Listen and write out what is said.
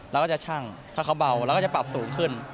เราก็จะชั่งถ้าเขาเบาเราก็จะปรับสูงขึ้น